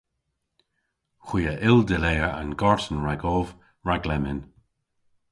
Hwi a yll dilea an garten ragov rag lemmyn.